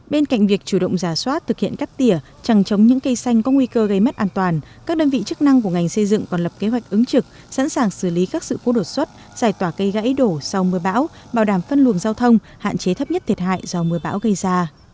bên cạnh việc chủ động giả soát thực hiện cắt tỉa chẳng chống những cây xanh có nguy cơ gây mất an toàn các đơn vị chức năng của ngành xây dựng còn lập kế hoạch ứng trực sẵn sàng xử lý các sự cố đột xuất giải tỏa cây gãy đổ sau mưa bão bảo đảm phân luồng giao thông hạn chế thấp nhất thiệt hại do mưa bão gây ra